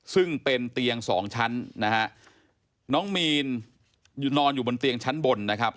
ซึ่งเป็นเตียงสองชั้นนะฮะน้องมีนอยู่นอนอยู่บนเตียงชั้นบนนะครับ